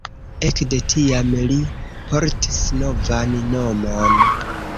Ekde tiam li portis novan nomon.